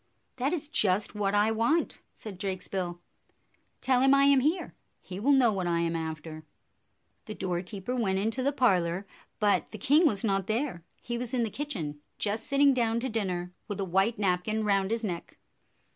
"That is just what I want," said Drakesbill. "Tell him I am here. He will know what I am after." The doorkeeper went into the parlor, but the king was not there ; he was in the kitchen, just 93 94 sitting down to dinner, with a white napkin round his neck.